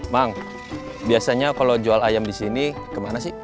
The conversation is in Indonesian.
bang biasanya kalau jual ayam disini kemana sih